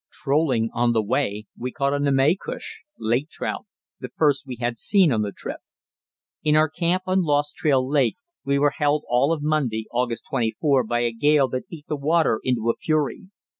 Trolling on the way, we caught a namaycush (lake trout), the first we had seen on the trip. In our camp on Lost Trail Lake we were held all of Monday (August 24) by a gale that beat the water into a fury.